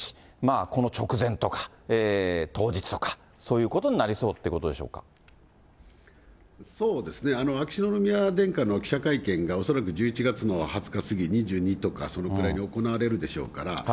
この直前とか、当日とか、そういうことになりそうということでしそうですね、秋篠宮殿下の記者会見が恐らく１１月の２０日過ぎ、２２日とか、そのくらいに行われるでしょうから。